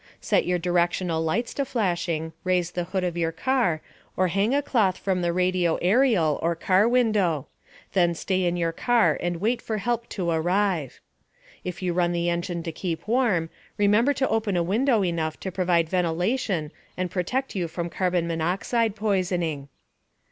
Set your directional lights to flashing, raise the hood of your car, or hang a cloth from the radio aerial or car window. Then stay in your car and wait for help to arrive. If you run the engine to keep warm, remember to open a window enough to provide ventilation and protect you from carbon monoxide poisoning.